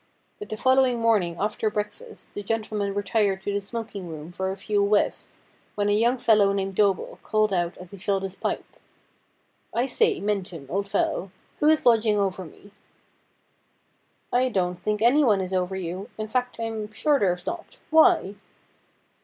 But the following morning after breakfast the gentle men retired to the smoking room for a few whiffs, when a young fellow named Dobell called out as he filled his pipe :' I say, Minton, old fellow, who is lodging over me ?'' I don't think anyone is over you. In fact I am sure there is not. Why